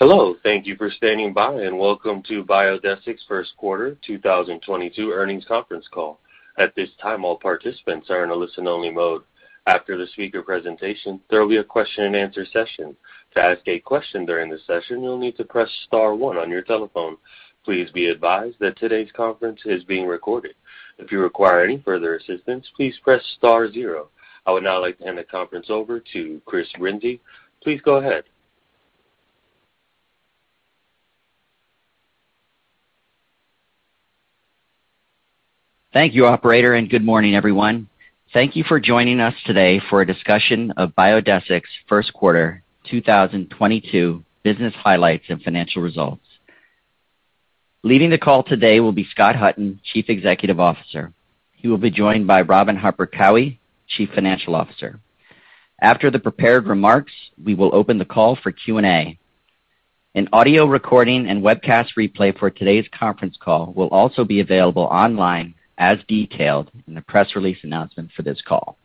Hello. Thank you for standing by, and welcome to Biodesix's Q1 2022 earnings conference call. At this time, all participants are in a listen only mode. After the speaker presentation, there will be a question-and-answer session. To ask a question during the session, you'll need to press star one on your telephone. Please be advised that today's conference is being recorded. If you require any further assistance, please press star zero. I would now like to hand the conference over to Chris Brinzey. Please go ahead. Thank you, operator, and good morning, everyone. Thank you for joining us today for a discussion of Biodesix's Q1 2022 business highlights and financial results. Leading the call today will be Scott Hutton, Chief Executive Officer. He will be joined by Robin Harper-Cowie, Chief Financial Officer. After the prepared remarks, we will open the call for Q&A. An audio recording and webcast replay for today's conference call will also be available online as detailed in the press release announcement for this call.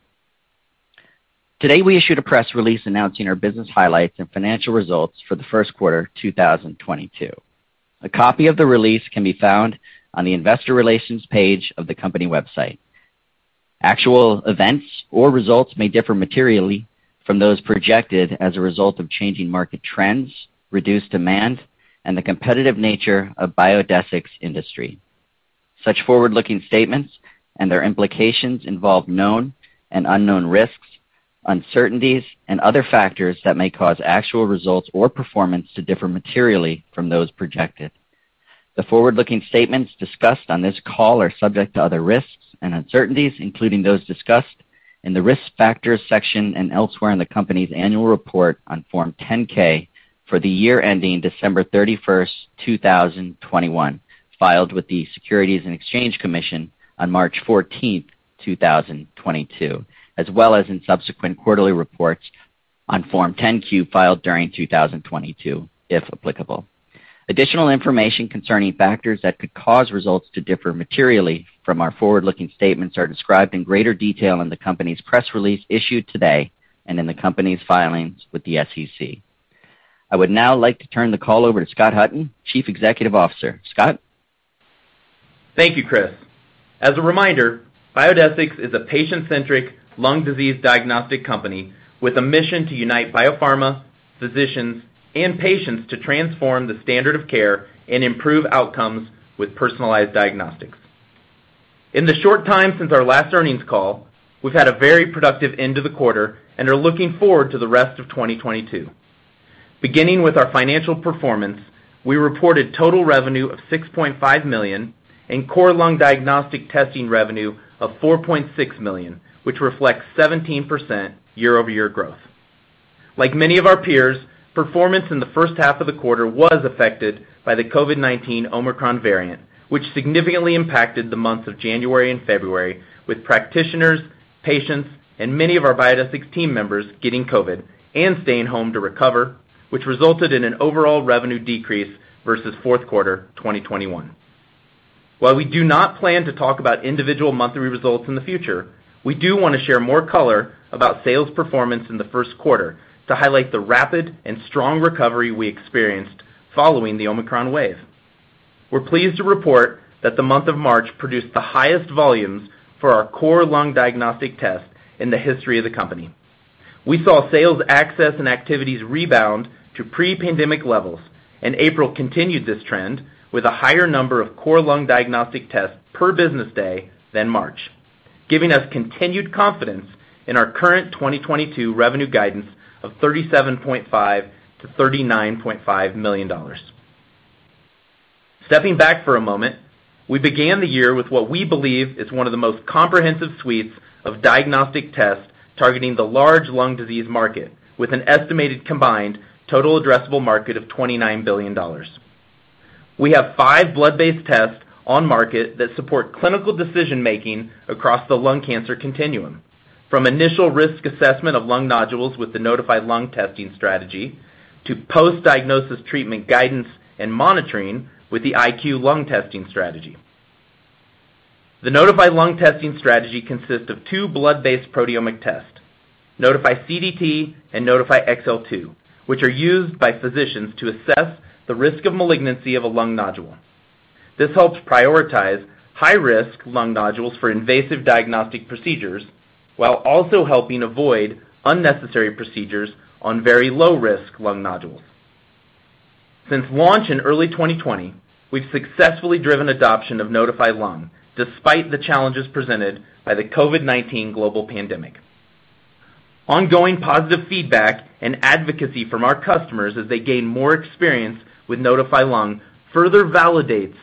Today, we issued a press release announcing our business highlights and financial results for the Q1 2022. A copy of the release can be found on the investor relations page of the company website. Actual events or results may differ materially from those projected as a result of changing market trends, reduced demand, and the competitive nature of Biodesix's industry. Such forward-looking statements and their implications involve known and unknown risks, uncertainties, and other factors that may cause actual results or performance to differ materially from those projected. The forward-looking statements discussed on this call are subject to other risks and uncertainties, including those discussed in the Risk Factors section and elsewhere in the company's annual report on Form 10-K for the year ending December 31, 2021, filed with the Securities and Exchange Commission on March 14, 2022, as well as in subsequent quarterly reports on Form 10-Q filed during 2022, if applicable. Additional information concerning factors that could cause results to differ materially from our forward-looking statements are described in greater detail in the company's press release issued today and in the company's filings with the SEC. I would now like to turn the call over to Scott Hutton, Chief Executive Officer. Scott. Thank you, Chris. As a reminder, Biodesix is a patient-centric lung disease diagnostic company with a mission to unite biopharma, physicians, and patients to transform the standard of care and improve outcomes with personalized diagnostics. In the short time since our last earnings call, we've had a very productive end to the quarter and are looking forward to the rest of 2022. Beginning with our financial performance, we reported total revenue of $6.5 million and core lung diagnostic testing revenue of $4.6 million, which reflects 17% year-over-year growth. Like many of our peers, performance in the first half of the quarter was affected by the COVID-19 Omicron variant, which significantly impacted the months of January and February with practitioners, patients, and many of our Biodesix team members getting COVID and staying home to recover, which resulted in an overall revenue decrease versusQ4 2021. While we do not plan to talk about individual monthly results in the future, we do wanna share more color about sales performance in the Q1 to highlight the rapid and strong recovery we experienced following the Omicron wave. We're pleased to report that the month of March produced the highest volumes for our core lung diagnostic test in the history of the company. We saw sales access and activities rebound to pre-pandemic levels, and April continued this trend with a higher number of core lung diagnostic tests per business day than March, giving us continued confidence in our current 2022 revenue guidance of $37.5 million -$39.5 million. Stepping back for a moment, we began the year with what we believe is one of the most comprehensive suites of diagnostic tests targeting the large lung disease market with an estimated combined total addressable market of $29 billion. We have five blood-based tests on market that support clinical decision-making across the lung cancer continuum, from initial risk assessment of lung nodules with the Nodify Lung testing strategy to post-diagnosis treatment guidance and monitoring with the IQLung testing strategy. The Nodify Lung testing strategy consists of two blood-based proteomic tests, Nodify CDT and Nodify XL2, which are used by physicians to assess the risk of malignancy of a lung nodule. This helps prioritize high-risk lung nodules for invasive diagnostic procedures while also helping avoid unnecessary procedures on very low risk lung nodules. Since launch in early 2020, we've successfully driven adoption of Nodify Lung despite the challenges presented by the COVID-19 global pandemic. Ongoing positive feedback and advocacy from our customers as they gain more experience with Nodify Lung further validates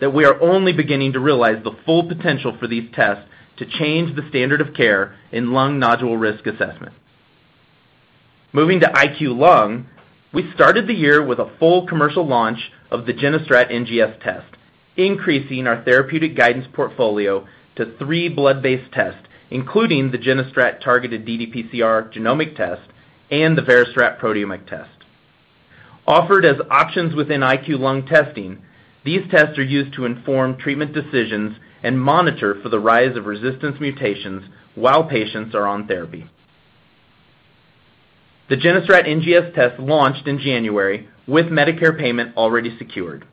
that we are only beginning to realize the full potential for these tests to change the standard of care in lung nodule risk assessment. Moving to IQLung, we started the year with a full commercial launch of the GeneStrat NGS test, increasing our therapeutic guidance portfolio to three blood-based tests, including the GeneStrat targeted ddPCR genomic test and the VeriStrat proteomic test. Offered as options within IQLung testing, these tests are used to inform treatment decisions and monitor for the rise of resistance mutations while patients are on therapy. The GeneStrat NGS test launched in January with Medicare payment already secured.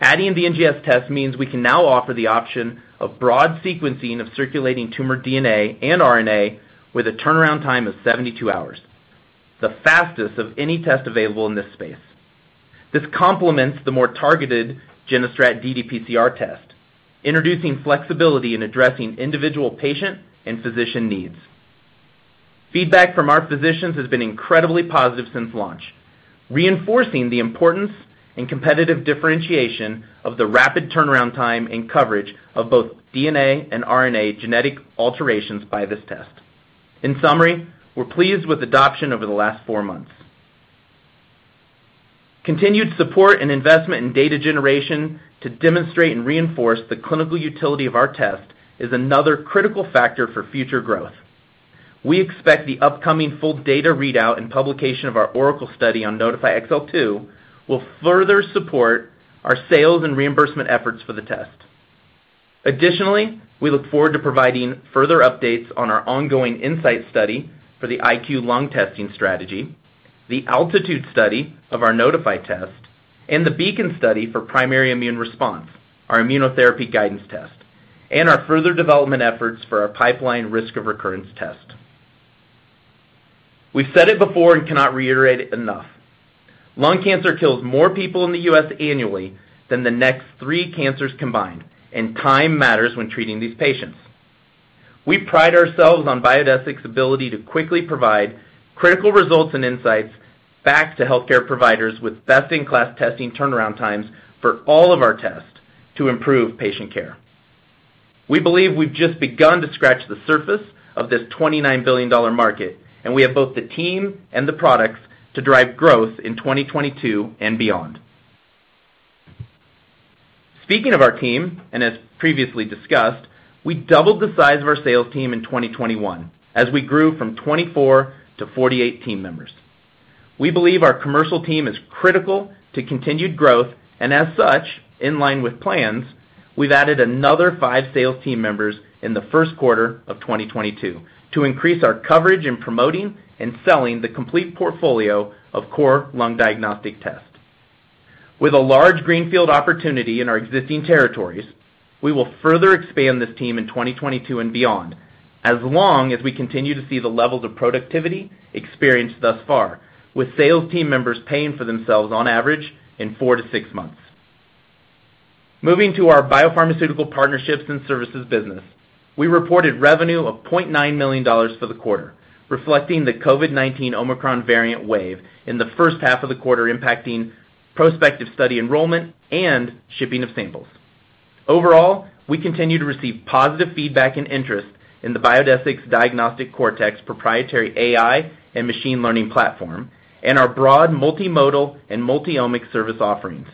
Adding the NGS test means we can now offer the option of broad sequencing of circulating tumor DNA and RNA with a turnaround time of 72 hours, the fastest of any test available in this space. This complements the more targeted GeneStrat ddPCR test, introducing flexibility in addressing individual patient and physician needs. Feedback from our physicians has been incredibly positive since launch, reinforcing the importance and competitive differentiation of the rapid turnaround time and coverage of both DNA and RNA genetic alterations by this test. In summary, we're pleased with adoption over the last four months. Continued support and investment in data generation to demonstrate and reinforce the clinical utility of our test is another critical factor for future growth. We expect the upcoming full data readout and publication of our ORACLE study on Nodify XL2 will further support our sales and reimbursement efforts for the test. Additionally, we look forward to providing further updates on our ongoing INSIGHT study for the IQLung testing strategy, the ALTITUDE study of our Nodify test, and the BEACON study for Primary Immune Response, our immunotherapy guidance test, and our further development efforts for our pipeline Risk of Recurrence test. We've said it before and cannot reiterate it enough. Lung cancer kills more people in the U.S. annually than the next three cancers combined, and time matters when treating these patients. We pride ourselves on Biodesix's ability to quickly provide critical results and insights back to healthcare providers with best-in-class testing turnaround times for all of our tests to improve patient care. We believe we've just begun to scratch the surface of this $29 billion market, and we have both the team and the products to drive growth in 2022 and beyond. Speaking of our team, and as previously discussed, we doubled the size of our sales team in 2021 as we grew from 24 to 48 team members. We believe our commercial team is critical to continued growth, and as such, in line with plans, we've added another five sales team members in the Q1 of 2022 to increase our coverage in promoting and selling the complete portfolio of core lung diagnostic tests. With a large greenfield opportunity in our existing territories, we will further expand this team in 2022 and beyond, as long as we continue to see the levels of productivity experienced thus far, with sales team members paying for themselves on average in four - six months. Moving to our biopharmaceutical partnerships and services business, we reported revenue of $0.9 million for the quarter, reflecting the COVID-19 Omicron variant wave in the first half of the quarter, impacting prospective study enrollment and shipping of samples. Overall, we continue to receive positive feedback and interest in the Biodesix's Diagnostic Cortex, proprietary AI and machine learning platform, and our broad multimodal and multi-omic service offerings.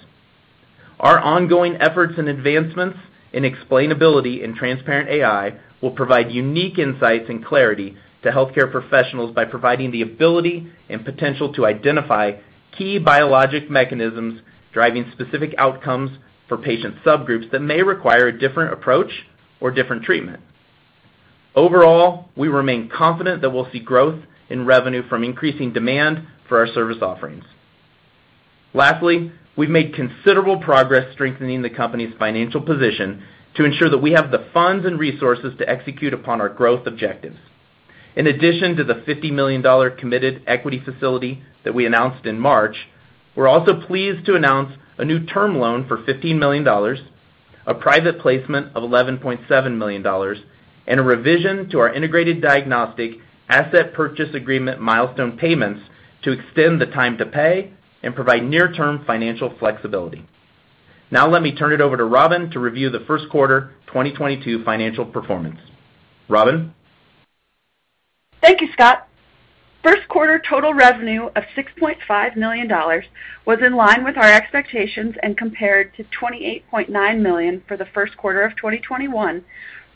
Our ongoing efforts and advancements in explainability in transparent AI will provide unique insights and clarity to healthcare professionals by providing the ability and potential to identify key biologic mechanisms driving specific outcomes for patient subgroups that may require a different approach or different treatment. Overall, we remain confident that we'll see growth in revenue from increasing demand for our service offerings. Lastly, we've made considerable progress strengthening the company's financial position to ensure that we have the funds and resources to execute upon our growth objectives. In addition to the $50 million committed equity facility that we announced in March, we're also pleased to announce a new term loan for $15 million, a private placement of $11.7 million, and a revision to our Integrated Diagnostics asset purchase agreement milestone payments to extend the time to pay and provide near-term financial flexibility. Now let me turn it over to Robin to review the Q1 2022 financial performance. Robin? Thank you, Scott.Q1 Total revenue of $6.5 million was in line with our expectations and compared to $28.9 million for the Q1 of 2021,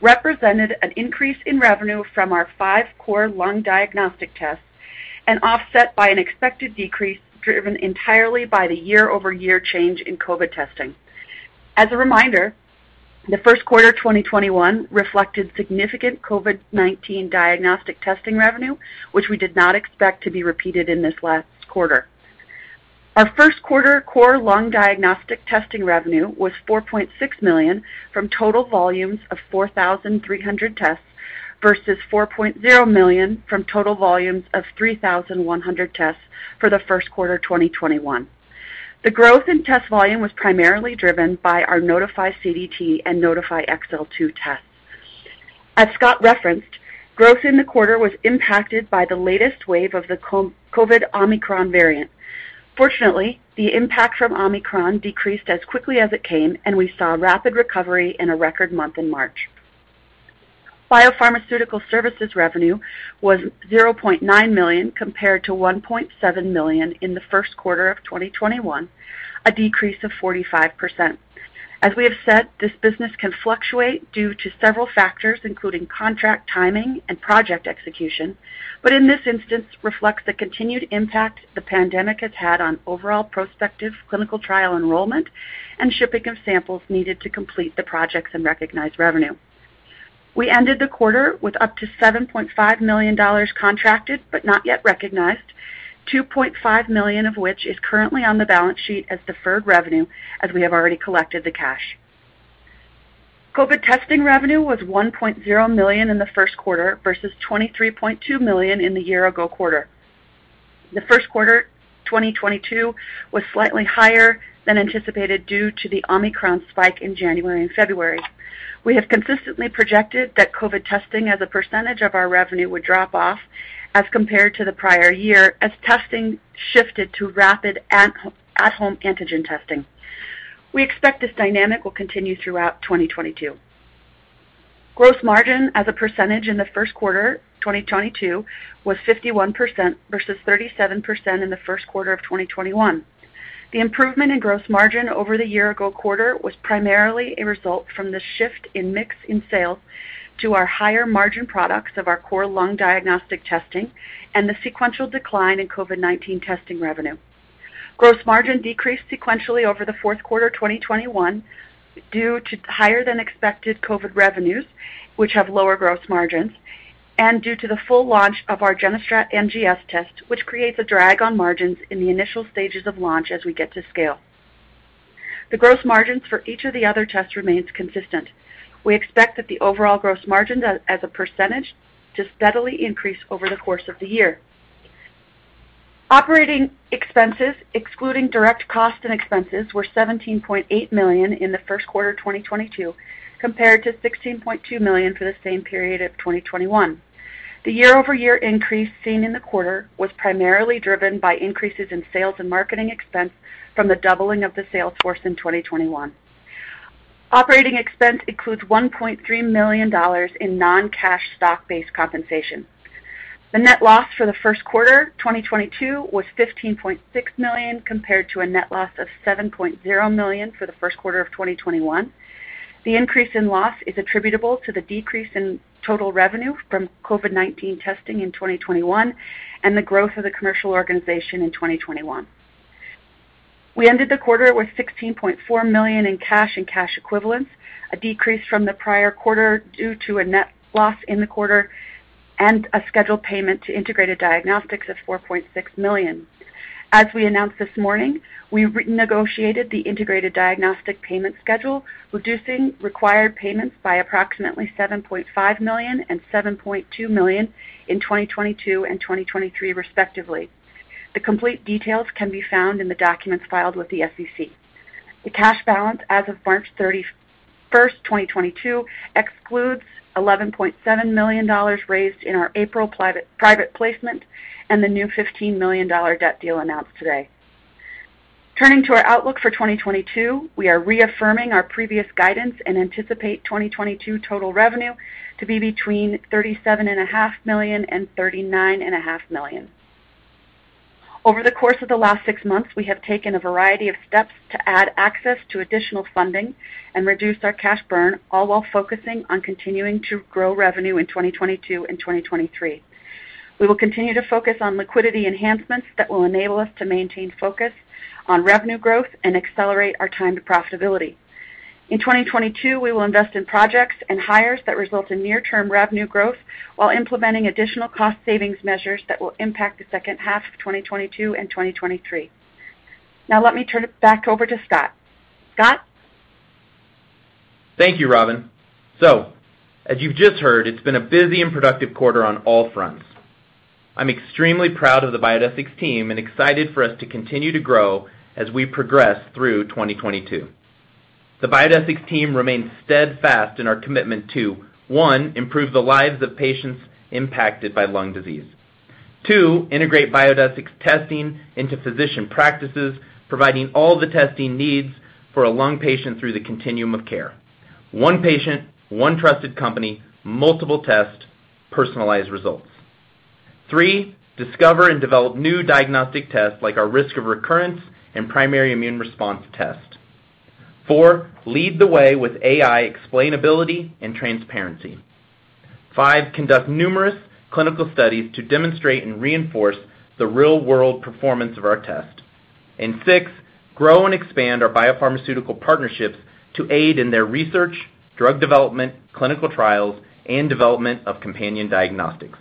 represented an increase in revenue from our five core lung diagnostic tests and offset by an expected decrease driven entirely by the year-over-year change in COVID testing. As a reminder, the Q1 2021 reflected significant COVID-19 diagnostic testing revenue, which we did not expect to be repeated in this last quarter. Our Q1 core lung diagnostic testing revenue was $4.6 million from total volumes of 4,300 tests versus $4.0 million from total volumes of 3,100 tests for the Q1 2021. The growth in test volume was primarily driven by our Nodify CDT and Nodify XL2 tests. As Scott referenced, growth in the quarter was impacted by the latest wave of the COVID Omicron variant. Fortunately, the impact from Omicron decreased as quickly as it came, and we saw a rapid recovery in a record month in March. Biopharmaceutical services revenue was $0.9 million compared to $1.7 million in the Q1 of 2021, a decrease of 45%. As we have said, this business can fluctuate due to several factors, including contract timing and project execution, but in this instance reflects the continued impact the pandemic has had on overall prospective clinical trial enrollment and shipping of samples needed to complete the projects and recognize revenue. We ended the quarter with up to $7.5 million contracted but not yet recognized, $2.5 million of which is currently on the balance sheet as deferred revenue, as we have already collected the cash. COVID testing revenue was $1.0 million in the Q1 versus $23.2 million in the year ago quarter. The Q1 2022 was slightly higher than anticipated due to the Omicron spike in January and February. We have consistently projected that COVID testing as a percentage of our revenue would drop off as compared to the prior year as testing shifted to rapid at-home antigen testing. We expect this dynamic will continue throughout 2022. Gross margin as a percentage in the Q1 2022 was 51% versus 37% in the Q1 of 2021. The improvement in gross margin over the year ago quarter was primarily a result from the shift in mix in sales to our higher margin products of our core lung diagnostic testing and the sequential decline in COVID-19 testing revenue. Gross margin decreased sequentially over theQ4 2021 due to higher than expected COVID revenues, which have lower gross margins, and due to the full launch of our GeneStrat NGS test, which creates a drag on margins in the initial stages of launch as we get to scale. The gross margins for each of the other tests remains consistent. We expect that the overall gross margin as a percentage to steadily increase over the course of the year. Operating expenses, excluding direct costs and expenses, were $17.8 million in the Q1 2022, compared to $16.2 million for the same period of 2021. The year-over-year increase seen in the quarter was primarily driven by increases in sales and marketing expense from the doubling of the sales force in 2021. Operating expense includes $1.3 million in non-cash stock-based compensation. The net loss for the Q1 2022 was $15.6 million, compared to a net loss of $7.0 million for the Q1 of 2021. The increase in loss is attributable to the decrease in total revenue from COVID-19 testing in 2021 and the growth of the commercial organization in 2021. We ended the quarter with $16.4 million in cash and cash equivalents, a decrease from the prior quarter due to a net loss in the quarter and a scheduled payment to Integrated Diagnostics of $4.6 million. As we announced this morning, we've renegotiated the Integrated Diagnostics payment schedule, reducing required payments by approximately $7.5 million and $7.2 million in 2022 and 2023, respectively. The complete details can be found in the documents filed with the SEC. The cash balance as of March 31, 2022 excludes $11.7 million raised in our April private placement and the new $15 million debt deal announced today. Turning to our outlook for 2022, we are reaffirming our previous guidance and anticipate 2022 total revenue to be between $37.5 million and $39.5 million. Over the course of the last six months, we have taken a variety of steps to add access to additional funding and reduce our cash burn, all while focusing on continuing to grow revenue in 2022 and 2023. We will continue to focus on liquidity enhancements that will enable us to maintain focus on revenue growth and accelerate our time to profitability. In 2022, we will invest in projects and hires that result in near-term revenue growth while implementing additional cost savings measures that will impact the second half of 2022 and 2023. Now let me turn it back over to Scott. Scott? Thank you, Robin. As you've just heard, it's been a busy and productive quarter on all fronts. I'm extremely proud of the Biodesix team and excited for us to continue to grow as we progress through 2022. The Biodesix team remains steadfast in our commitment to, one, improve the lives of patients impacted by lung disease. two, integrate Biodesix testing into physician practices, providing all the testing needs for a lung patient through the continuum of care. one patient, one trusted company, multiple tests, personalized results. three, discover and develop new diagnostic tests like our Risk of Recurrence and Primary Immune Response test. four, lead the way with AI explainability and transparency. five, conduct numerous clinical studies to demonstrate and reinforce the real-world performance of our test. Six, grow and expand our biopharmaceutical partnerships to aid in their research, drug development, clinical trials, and development of companion diagnostics.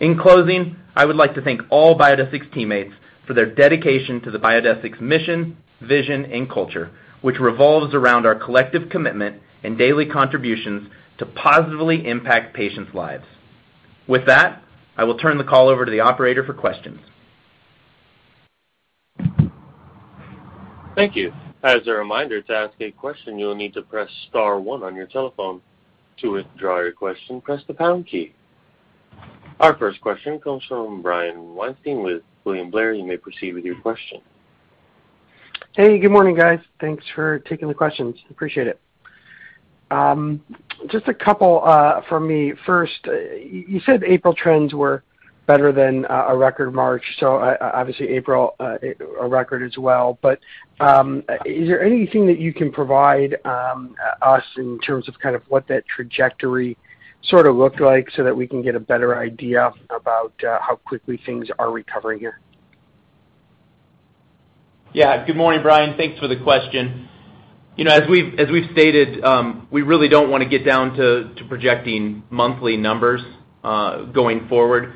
In closing, I would like to thank all Biodesix teammates for their dedication to the Biodesix mission, vision, and culture, which revolves around our collective commitment and daily contributions to positively impact patients' lives. With that, I will turn the call over to the operator for questions. Thank you. As a reminder, to ask a question, you will need to press star one on your telephone. To withdraw your question, press the pound key. Our first question comes from Brian Weinstein with William Blair. You may proceed with your question. Hey, good morning, guys. Thanks for taking the questions. Appreciate it. Just a couple for me. First, you said April trends were better than a record March, so obviously April a record as well. Is there anything that you can provide us in terms of kind of what that trajectory sort of looked like so that we can get a better idea about how quickly things are recovering here? Yeah. Good morning, Brian. Thanks for the question. You know, as we've stated, we really don't wanna get down to projecting monthly numbers going forward.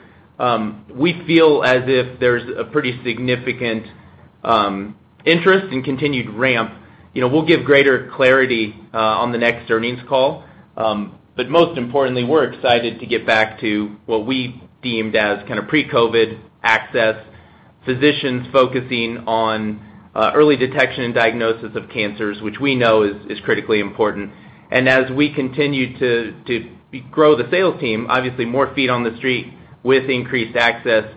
We feel as if there's a pretty significant interest and continued ramp. You know, we'll give greater clarity on the next earnings call. But most importantly, we're excited to get back to what we deemed as kind of pre-COVID access, physicians focusing on early detection and diagnosis of cancers, which we know is critically important. We continue to grow the sales team, obviously more feet on the street with increased access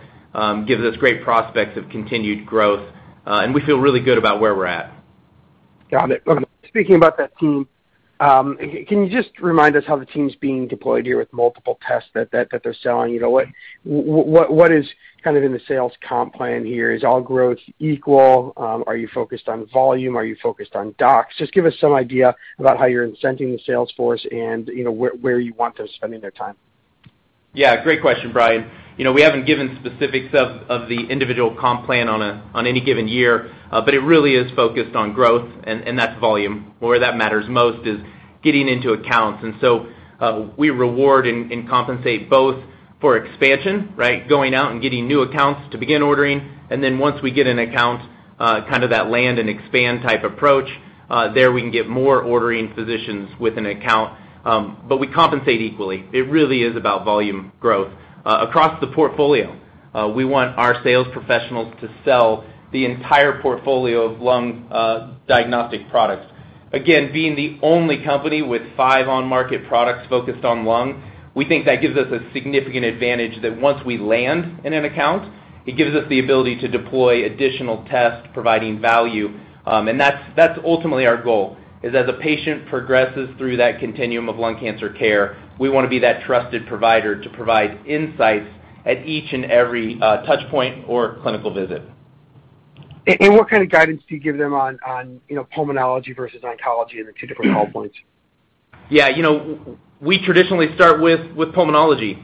gives us great prospects of continued growth, and we feel really good about where we're at. Got it. Speaking about that team, can you just remind us how the team's being deployed here with multiple tests that they're selling? You know, what is kind of in the sales comp plan here? Is all growth equal? Are you focused on volume? Are you focused on docs? Just give us some idea about how you're incenting the sales force and, you know, where you want them spending their time. Yeah, great question, Brian. You know, we haven't given specifics of the individual comp plan on any given year, but it really is focused on growth and that's volume. Where that matters most is getting into accounts. We reward and compensate both for expansion, right? Going out and getting new accounts to begin ordering, and then once we get an account, kind of that land and expand type approach, there we can get more ordering physicians with an account. But we compensate equally. It really is about volume growth. Across the portfolio, we want our sales professionals to sell the entire portfolio of lung diagnostic products. Again, being the only company with five on-market products focused on lung, we think that gives us a significant advantage that once we land in an account, it gives us the ability to deploy additional tests providing value. That's ultimately our goal, is as a patient progresses through that continuum of lung cancer care, we wanna be that trusted provider to provide insights at each and every touch point or clinical visit. What kind of guidance do you give them on, you know, pulmonology versus oncology and the two different call points? Yeah. You know, we traditionally start with pulmonology.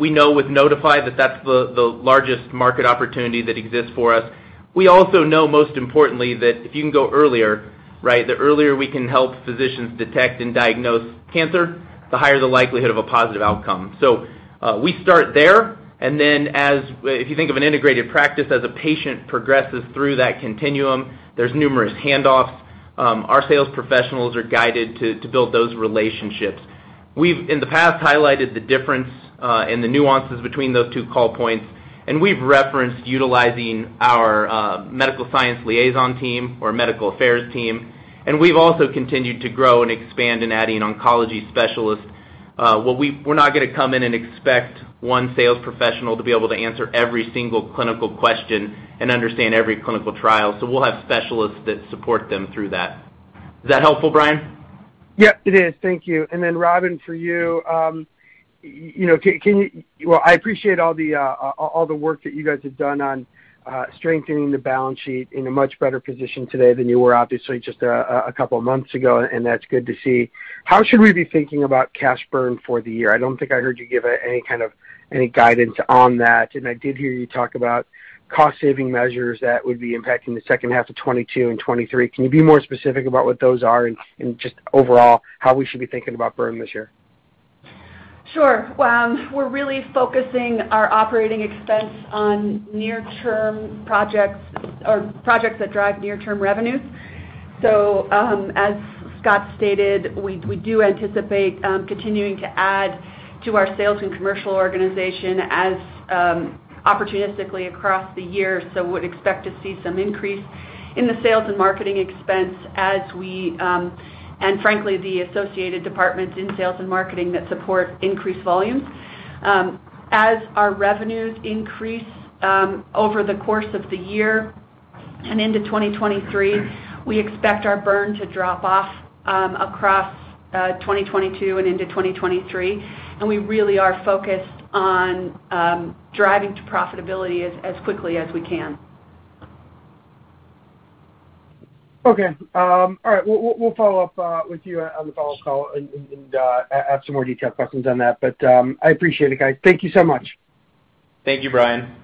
We know with Nodify that that's the largest market opportunity that exists for us. We also know most importantly that if you can go earlier, right, the earlier we can help physicians detect and diagnose cancer, the higher the likelihood of a positive outcome. We start there, and then if you think of an integrated practice, as a patient progresses through that continuum, there's numerous handoffs. Our sales professionals are guided to build those relationships. We've, in the past, highlighted the difference and the nuances between those two call points, and we've referenced utilizing our medical science liaison team or medical affairs team, and we've also continued to grow and expand in adding oncology specialists. We're not gonna come in and expect one sales professional to be able to answer every single clinical question and understand every clinical trial, so we'll have specialists that support them through that. Is that helpful, Brian? Yep, it is. Thank you. Robin, for you, well, I appreciate all the work that you guys have done on strengthening the balance sheet in a much better position today than you were obviously just a couple of months ago, and that's good to see. How should we be thinking about cash burn for the year? I don't think I heard you give any kind of guidance on that. I did hear you talk about cost saving measures that would be impacting the second half of 2022 and 2023. Can you be more specific about what those are and just overall how we should be thinking about burn this year? Sure. We're really focusing our operating expense on near-term projects or projects that drive near-term revenues. As Scott stated, we do anticipate continuing to add to our sales and commercial organization opportunistically across the year, so would expect to see some increase in the sales and marketing expense as we and frankly, the associated departments in sales and marketing that support increased volumes. As our revenues increase over the course of the year and into 2023, we expect our burn to drop off across 2022 and into 2023, and we really are focused on driving to profitability as quickly as we can. Okay. All right. We'll follow up with you on the follow-up call and ask some more detailed questions on that. I appreciate it, guys. Thank you so much. Thank you, Brian.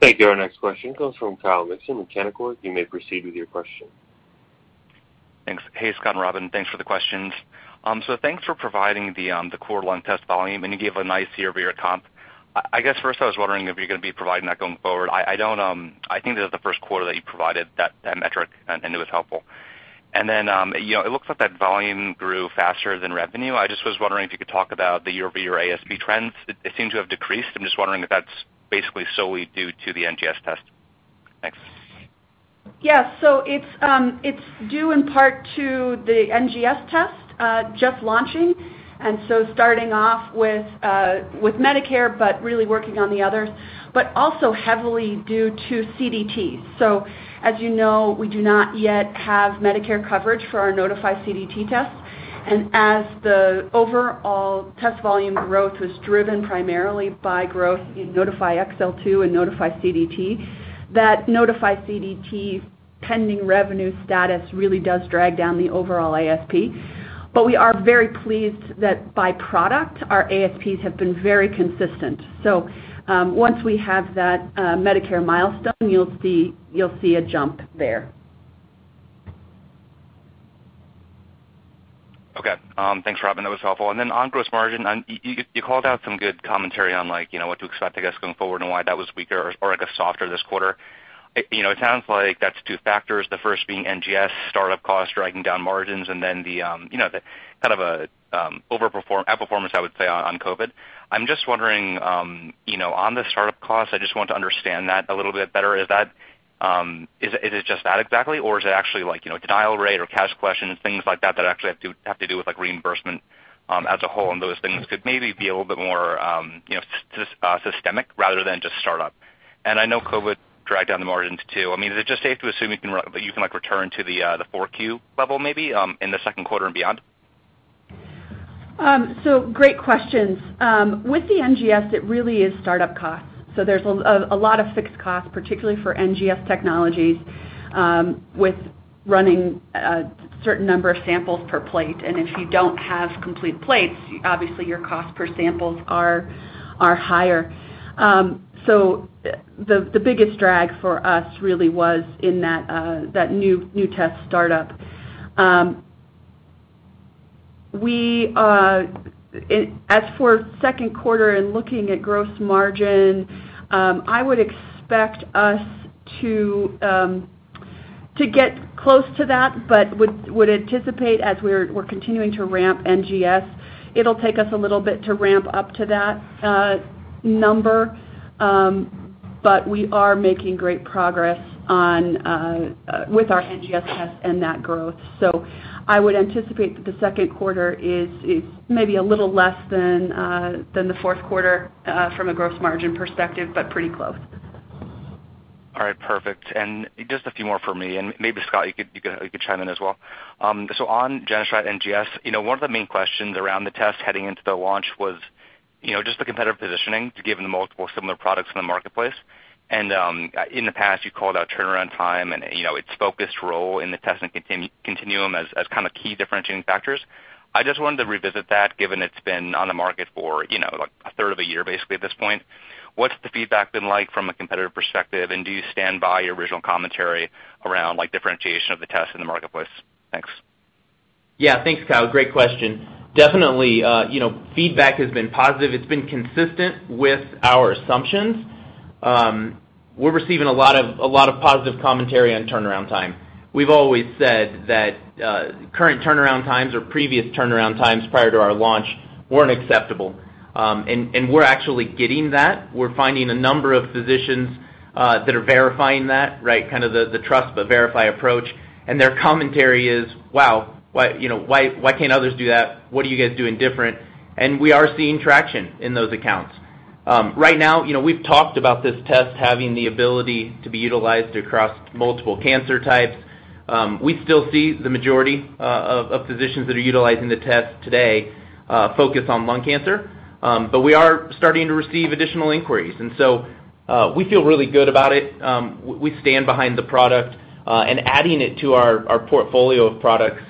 Thank you. Our next question comes from Kyle Mikson, Canaccord. You may proceed with your question. Thanks. Hey, Scott and Robin. Thanks for the questions. Thanks for providing the quarter on test volume, and you gave a nice year-over-year comp. I guess first I was wondering if you're gonna be providing that going forward. I think that's the Q1 that you provided that metric, and it was helpful. You know, it looks like that volume grew faster than revenue. I just was wondering if you could talk about the year-over-year ASP trends. It seems to have decreased. I'm just wondering if that's basically solely due to the NGS test. Thanks. Yeah. It's due in part to the NGS test just launching, starting off with Medicare, but really working on the others, but also heavily due to CDT. As you know, we do not yet have Medicare coverage for our Nodify CDT test. As the overall test volume growth was driven primarily by growth in Nodify XL2 and Nodify CDT, that Nodify CDT pending revenue status really does drag down the overall ASP. We are very pleased that by product, our ASPs have been very consistent. Once we have that Medicare milestone, you'll see a jump there. Okay. Thanks, Robin, that was helpful. On gross margin, you called out some good commentary on, like, you know, what to expect, I guess, going forward and why that was weaker or, like, a softer this quarter. You know, it sounds like that's two factors, the first being NGS startup costs dragging down margins and then the, you know, the kind of a outperformance, I would say, on COVID. I'm just wondering, you know, on the startup costs, I just want to understand that a little bit better. Is that just that exactly, or is it actually like, you know, denial rate or cash questions, things like that that actually have to do with, like, reimbursement as a whole and those things could maybe be a little bit more, you know, systemic rather than just startup? I know COVID dragged down the margins, too. I mean, is it just safe to assume you can that you can, like, return to the Q4 level maybe in the Q2 and beyond? Great questions. With the NGS, it really is startup costs. There's a lot of fixed costs, particularly for NGS technologies, with running a certain number of samples per plate. If you don't have complete plates, obviously, your cost per samples are higher. The biggest drag for us really was in that new test startup. As for Q2 and looking at gross margin, I would expect us to get close to that, but would anticipate as we're continuing to ramp NGS, it'll take us a little bit to ramp up to that number. We are making great progress on with our NGS test and that growth. I would anticipate that the Q2 is maybe a little less than the Q4 from a gross margin perspective, but pretty close. All right, perfect. Just a few more for me, and maybe Scott, you could chime in as well. On GeneStrat NGS, you know, one of the main questions around the test heading into the launch was, you know, just the competitive positioning, given the multiple similar products in the marketplace. In the past, you called out turnaround time and, you know, its focused role in the test and continuum as kind of key differentiating factors. I just wanted to revisit that, given it's been on the market for, you know, like, a third of a year, basically, at this point. What's the feedback been like from a competitive perspective? Do you stand by your original commentary around, like, differentiation of the test in the marketplace? Thanks. Yeah. Thanks, Kyle. Great question. Definitely, you know, feedback has been positive. It's been consistent with our assumptions. We're receiving a lot of positive commentary on turnaround time. We've always said that current turnaround times or previous turnaround times prior to our launch weren't acceptable. We're actually getting that. We're finding a number of physicians that are verifying that, right? Kind of the trust but verify approach. Their commentary is, "Wow, why, you know, why can't others do that? What are you guys doing different?" We are seeing traction in those accounts. Right now, you know, we've talked about this test having the ability to be utilized across multiple cancer types. We still see the majority of physicians that are utilizing the test today focus on lung cancer. We are starting to receive additional inquiries, and so we feel really good about it. We stand behind the product, and adding it to our portfolio of products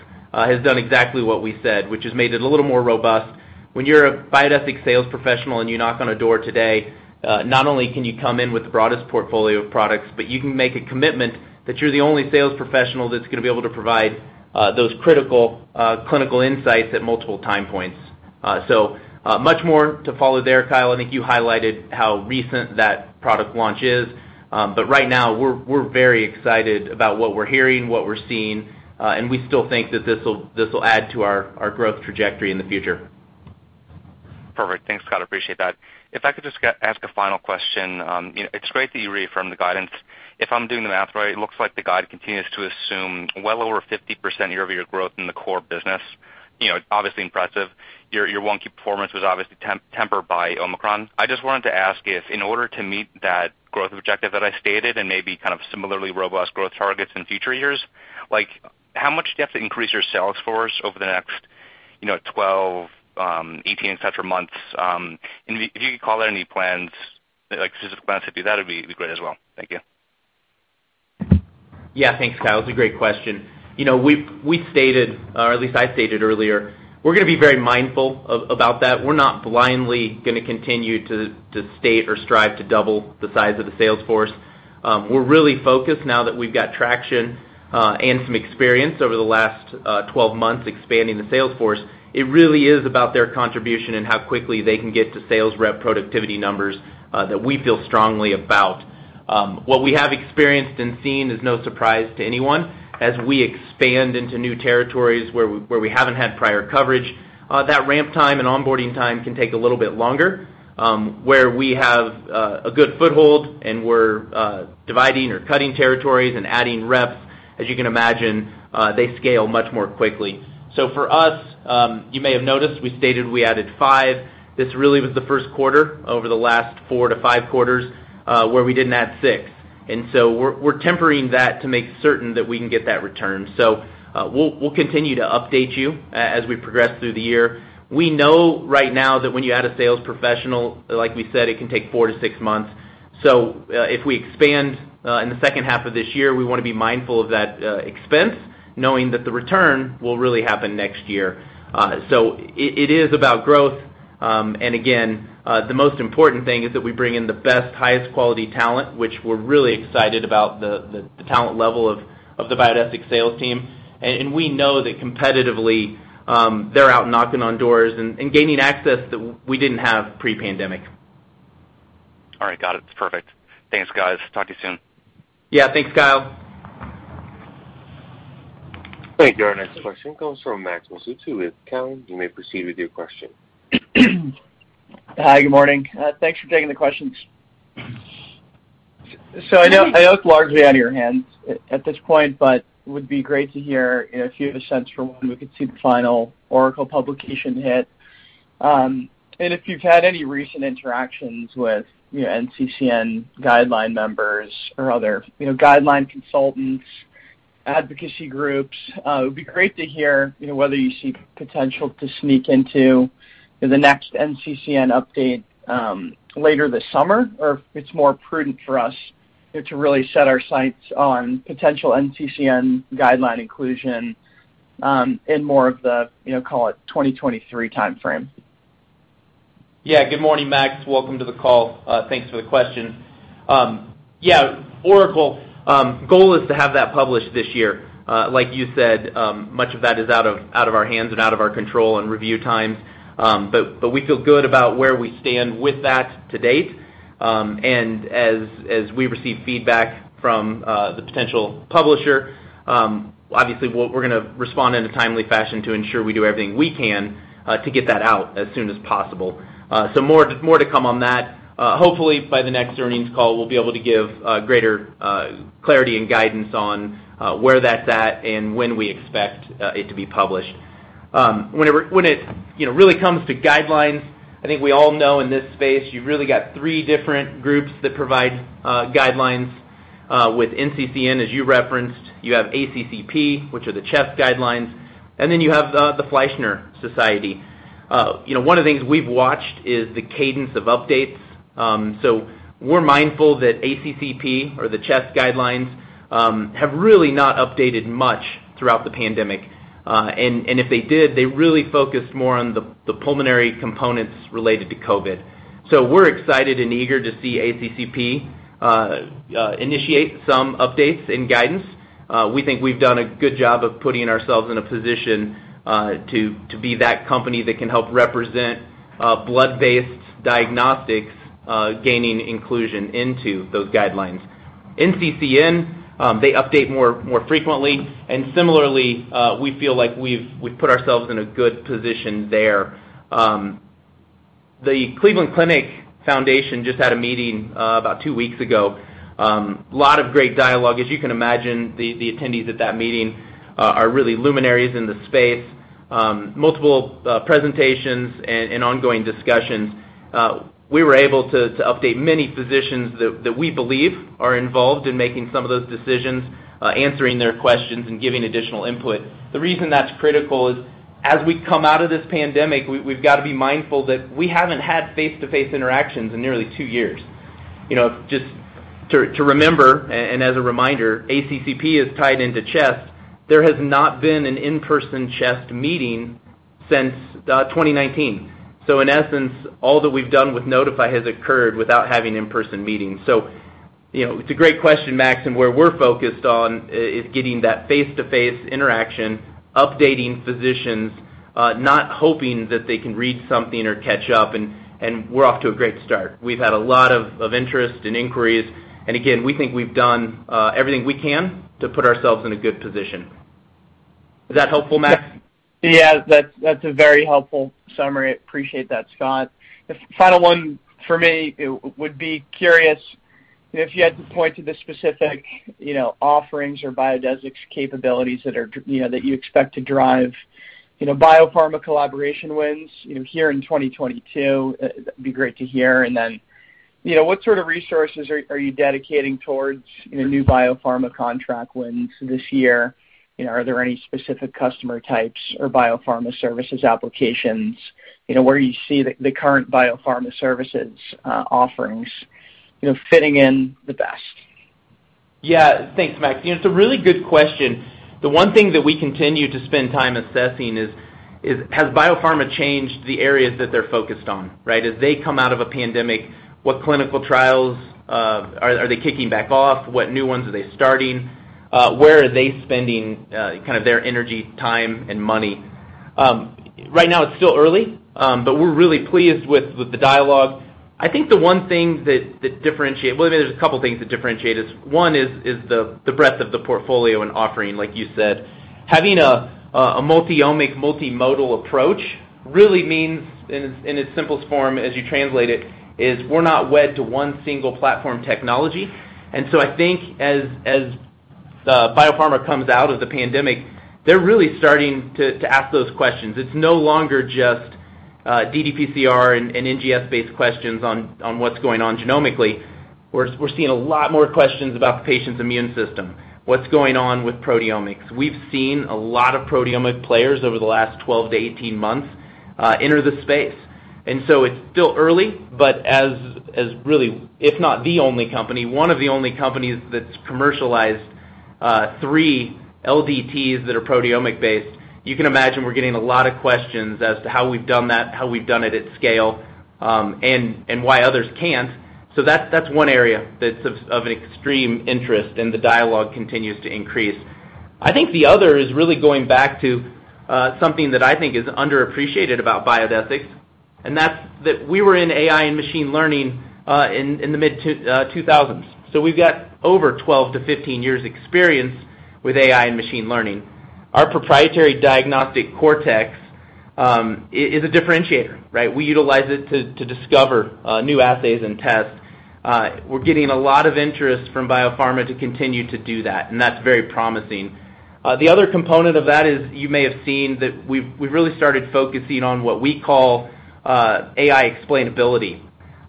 has done exactly what we said, which has made it a little more robust. When you're a Biodesix sales professional and you knock on a door today, not only can you come in with the broadest portfolio of products, but you can make a commitment that you're the only sales professional that's gonna be able to provide those critical clinical insights at multiple time points. Much more to follow there, Kyle. I think you highlighted how recent that product launch is. Right now we're very excited about what we're hearing, what we're seeing, and we still think that this'll add to our growth trajectory in the future. Perfect. Thanks, Kyle. Appreciate that. If I could just ask a final question. You know, it's great that you reaffirmed the guidance. If I'm doing the math right, it looks like the guide continues to assume well over 50% year-over-year growth in the core business. You know, obviously impresive. Your Q1 performance was obviously tempered by Omicron. I just wanted to ask if in order to meet that growth objective that I stated, and maybe kind of similarly robust growth targets in future years, like, how much do you have to increase your sales force over the next, you know, 12, 18 etc. months? And if you could color any plans, like specific plans to do that, it'd be great as well. Thank you. Yeah. Thanks, Kyle. It's a great question. You know, we've stated, or at least I stated earlier, we're gonna be very mindful about that. We're not blindly gonna continue to state or strive to double the size of the sales force. We're really focused now that we've got traction and some experience over the last 12 months expanding the sales force. It really is about their contribution and how quickly they can get to sales rep productivity numbers that we feel strongly about. What we have experienced and seen is no surprise to anyone. As we expand into new territories where we haven't had prior coverage, that ramp time and onboarding time can take a little bit longer. Where we have a good foothold and we're dividing or cutting territories and adding reps. As you can imagine, they scale much more quickly. For us, you may have noticed we stated we added five. This really was theQ1 over the last four to five quarters where we didn't add six. We're tempering that to make certain that we can get that return. We'll continue to update you as we progress through the year. We know right now that when you add a sales professional, like we said, it can take four-six months. If we expand in the second half of this year, we wanna be mindful of that expense, knowing that the return will really happen next year. It is about growth. Again, the most important thing is that we bring in the best, highest quality talent, which we're really excited about the talent level of the Biodesix sales team. We know that competitively, they're out knocking on doors and gaining access that we didn't have pre-pandemic. All right. Got it. It's perfect. Thanks, guys. Talk to you soon. Yeah. Thanks, Kyle. Thank you. Our next question comes from Max Masucci with Cowen. You may proceed with your question. Hi, good morning. Thanks for taking the questions. I know it's largely out of your hands at this point, but it would be great to hear if you have a sense for when we could see the final ORACLE publication hit. If you've had any recent interactions with NCCN guideline members or other, you know, guideline consultants, advocacy groups, it'd be great to hear, you know, whether you see potential to sneak into the next NCCN update later this summer, or if it's more prudent for us to really set our sights on potential NCCN guideline inclusion in more of the, you know, call it 2023 time frame. Yeah. Good morning, Max. Welcome to the call. Thanks for the question. Yeah, ORACLE goal is to have that published this year. Like you said, much of that is out of our hands and out of our control and review times. We feel good about where we stand with that to date. As we receive feedback from the potential publisher, obviously, we're gonna respond in a timely fashion to ensure we do everything we can to get that out as soon as possible. More to come on that. Hopefully, by the next earnings call, we'll be able to give greater clarity and guidance on where that's at and when we expect it to be published. When it, you know, really comes to guidelines, I think we all know in this space you really got three different groups that provide guidelines with NCCN, as you referenced. You have ACCP, which are the CHEST guidelines, and then you have the Fleischner Society. You know, one of the things we've watched is the cadence of updates. We're mindful that ACCP or the CHEST guidelines have really not updated much throughout the pandemic. If they did, they really focused more on the pulmonary components related to COVID. We're excited and eager to see ACCP initiate some updates and guidance. We think we've done a good job of putting ourselves in a position to be that company that can help represent blood-based diagnostics gaining inclusion into those guidelines. NCCN, they update more frequently. Similarly, we feel like we've put ourselves in a good position there. The Cleveland Clinic Foundation just had a meeting about two weeks ago. A lot of great dialogue. As you can imagine, the attendees at that meeting are really luminaries in the space. Multiple presentations and ongoing discussions. We were able to update many physicians that we believe are involved in making some of those decisions, answering their questions and giving additional input. The reason that's critical is as we come out of this pandemic, we've got to be mindful that we haven't had face-to-face interactions in nearly two years. You know, just to remember, as a reminder, ACCP is tied into CHEST. There has not been an in-person CHEST meeting since 2019. In essence, all that we've done with Nodify has occurred without having in-person meetings. You know, it's a great question, Max, and where we're focused on is getting that face-to-face interaction, updating physicians, not hoping that they can read something or catch up. We're off to a great start. We've had a lot of interest and inquiries. Again, we think we've done everything we can to put ourselves in a good position. Is that helpful, Max? Yeah, that's a very helpful summary. I appreciate that, Scott. The final one for me would be curious if you had to point to the specific, you know, offerings or Biodesix's capabilities that are, you know, that you expect to drive, you know, biopharma collaboration wins, you know, here in 2022. That'd be great to hear. And then, you know, what sort of resources are you dedicating towards, you know, new biopharma contract wins this year? You know, are there any specific customer types or biopharma services applications? You know, where you see the current biopharma services offerings, you know, fitting in the best? Yeah. Thanks, Max. You know, it's a really good question. The one thing that we continue to spend time assessing is has biopharma changed the areas that they're focused on, right? As they come out of a pandemic, what clinical trials are they kicking back off? What new ones are they starting? Where are they spending kind of their energy, time, and money? Right now it's still early, but we're really pleased with the dialogue. I think the one thing that differentiates. Well, there's a couple of things that differentiate. One is the breadth of the portfolio and offering, like you said. Having a multi-omic, multimodal approach really means, in its simplest form, as you translate it, is we're not wed to one single platform technology. I think as the biopharma comes out of the pandemic, they're really starting to ask those questions. It's no longer just ddPCR and NGS-based questions on what's going on genomically. We're seeing a lot more questions about the patient's immune system, what's going on with proteomics. We've seen a lot of proteomic players over the last 12-18 months enter the space. It's still early, but as really, if not the only company, one of the only companies that's commercialized three LDTs that are proteomic-based, you can imagine we're getting a lot of questions as to how we've done that, how we've done it at scale, and why others can't. That's one area that's of extreme interest, and the dialogue continues to increase. I think the other is really going back to something that I think is underappreciated about Biodesix, and that's that we were in AI and machine learning in the mid-2000s. So we've got over 12-15 years experience with AI and machine learning. Our proprietary Diagnostic Cortex is a differentiator, right? We utilize it to discover new assays and tests. We're getting a lot of interest from biopharma to continue to do that, and that's very promising. The other component of that is you may have seen that we've really started focusing on what we call AI explainability.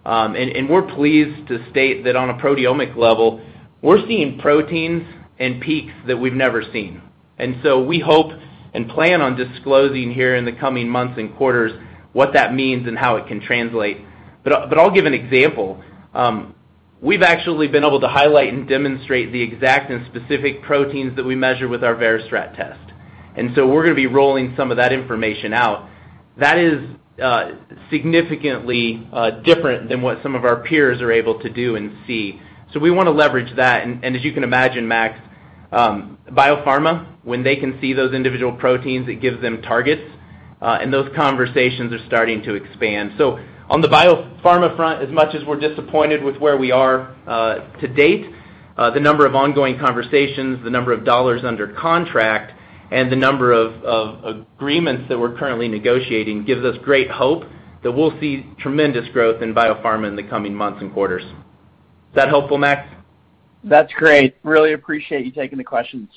We're pleased to state that on a proteomic level, we're seeing proteins and peaks that we've never seen. We hope and plan on disclosing here in the coming months and quarters what that means and how it can translate. I'll give an example. We've actually been able to highlight and demonstrate the exact and specific proteins that we measure with our VeriStrat test. We're gonna be rolling some of that information out. That is significantly different than what some of our peers are able to do and see. We wanna leverage that. As you can imagine, Max, biopharma, when they can see those individual proteins, it gives them targets, and those conversations are starting to expand. On the biopharma front, as much as we're disappointed with where we are to date, the number of ongoing conversations, the number of dollars under contract, and the number of agreements that we're currently negotiating gives us great hope that we'll see tremendous growth in biopharma in the coming months and quarters. Is that helpful, Max? That's great. Really appreciate you taking the questions.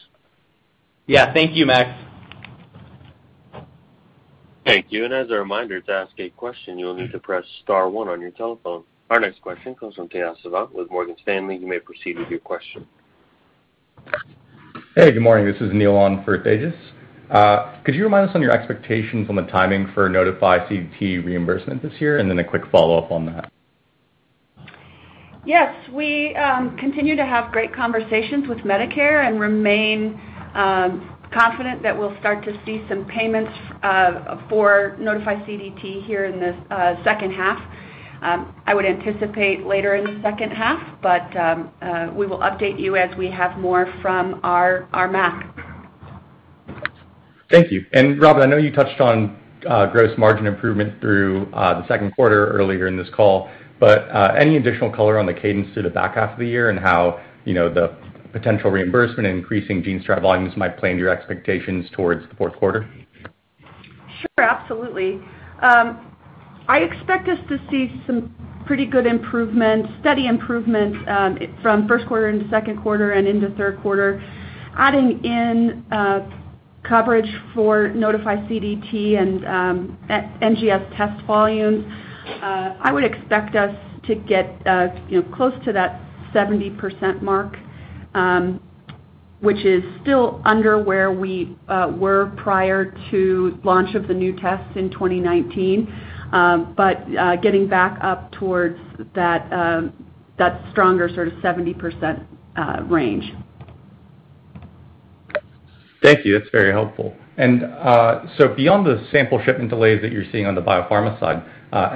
Yeah. Thank you, Max. Thank you. As a reminder, to ask a question, you'll need to press star one on your telephone. Our next question comes from Tejas Savant with Morgan Stanley. You may proceed with your question. Hey, good morning. This is Neil on for Tejas. Could you remind us on your expectations on the timing for Nodify CDT reimbursement this year? A quick follow-up on that. Yes. We continue to have great conversations with Medicare and remain confident that we'll start to see some payments for Nodify CDT here in the second half. I would anticipate later in the second half, but we will update you as we have more from our MAC. Thank you. Robin, I know you touched on gross margin improvement through the Q2 earlier in this call, but any additional color on the cadence through the back half of the year and how, you know, the potential reimbursement and increasing GeneStrat volumes might play into your expectations towards the Q4? Sure. Absolutely. I expect us to see some pretty good improvement, steady improvement, from Q1 into Q2 and into Q3. Adding in coverage for Nodify CDT and NGS test volumes, I would expect us to get, you know, close to that 70% mark, which is still under where we were prior to launch of the new tests in 2019. Getting back up towards that stronger sort of 70% range. Thank you. That's very helpful. Beyond the sample shipment delays that you're seeing on the biopharma side,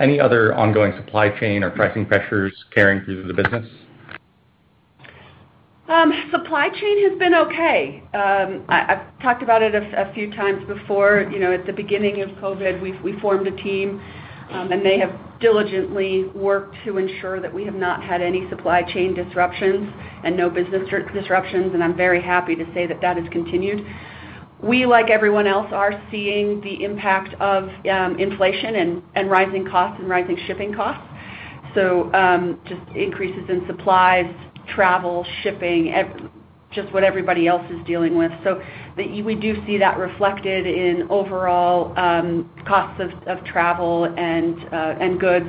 any other ongoing supply chain or pricing pressures carrying through the business? Supply chain has been okay. I've talked about it a few times before. You know, at the beginning of COVID, we formed a team, and they have diligently worked to ensure that we have not had any supply chain disruptions and no business disruptions, and I'm very happy to say that has continued. We, like everyone else, are seeing the impact of inflation and rising costs and rising shipping costs. Just increases in supplies, travel, shipping, just what everybody else is dealing with. We do see that reflected in overall costs of travel and goods,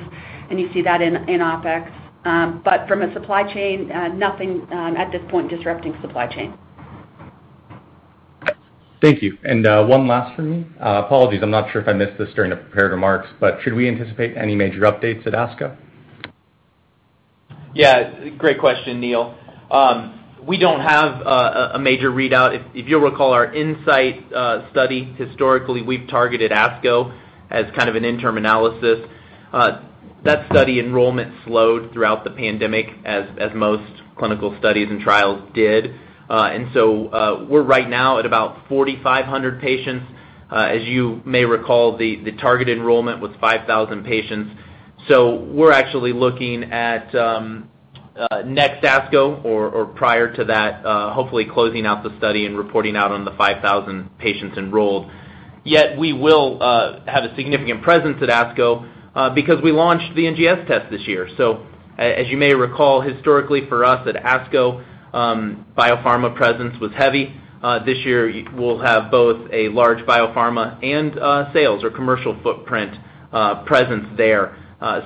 and you see that in OpEx. But from a supply chain, nothing at this point disrupting supply chain. Thank you. One last from me. Apologies, I'm not sure if I missed this during the prepared remarks, but should we anticipate any major updates at ASCO? Yeah. Great question, Neil. We don't have a major readout. If you'll recall our INSIGHT study, historically, we've targeted ASCO as kind of an interim analysis. That study enrollment slowed throughout the pandemic as most clinical studies and trials did. We're right now at about 4,500 patients. As you may recall, the target enrollment was 5,000 patients. We're actually looking at next ASCO or prior to that, hopefully closing out the study and reporting out on the 5,000 patients enrolled. Yet we will have a significant presence at ASCO, because we launched the NGS test this year. As you may recall, historically for us at ASCO, biopharma presence was heavy. This year we'll have both a large biopharma and sales or commercial footprint presence there.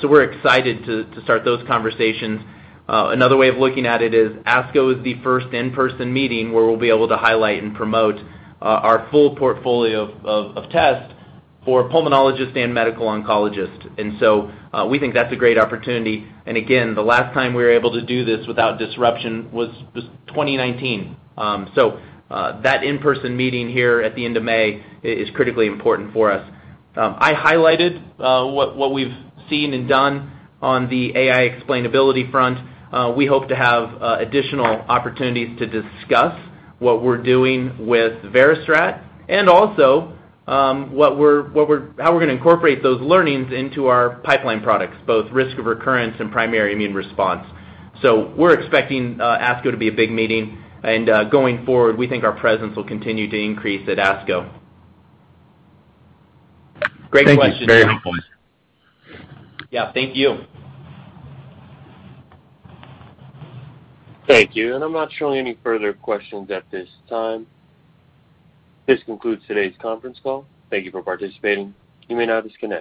We're excited to start those conversations. Another way of looking at it is ASCO is the first in-person meeting where we'll be able to highlight and promote our full portfolio of tests for pulmonologists and medical oncologists. We think that's a great opportunity. Again, the last time we were able to do this without disruption was 2019. That in-person meeting here at the end of May is critically important for us. I highlighted what we've seen and done on the AI explainability front. We hope to have additional opportunities to discuss what we're doing with VeriStrat and also what we're. how we're gonna incorporate those learnings into our pipeline products, both Risk of Recurrence and Primary Immune Response. We're expecting ASCO to be a big meeting, and going forward, we think our presence will continue to increase at ASCO. Great question, Neil. Thank you. It's very helpful. Yeah. Thank you. Thank you. I'm not showing any further questions at this time. This concludes today's conference call. Thank you for participating. You may now disconnect.